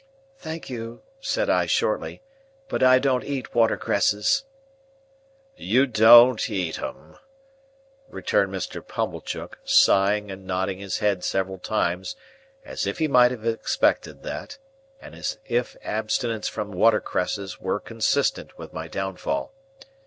"Thank you," said I, shortly, "but I don't eat watercresses." "You don't eat 'em," returned Mr. Pumblechook, sighing and nodding his head several times, as if he might have expected that, and as if abstinence from watercresses were consistent with my downfall.